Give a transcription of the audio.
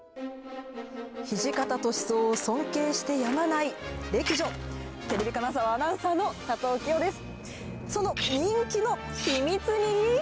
土方歳三を尊敬してやまない歴女、テレビ金沢アナウンサーの佐藤希生です。